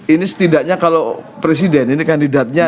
ini setidaknya kalau presiden ini kandidatnya